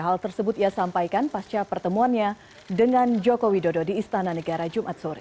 hal tersebut ia sampaikan pasca pertemuannya dengan joko widodo di istana negara jumat sore